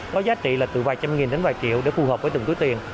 có giá trị là từ vài trăm nghìn đến vài triệu để phù hợp với từng túi tiền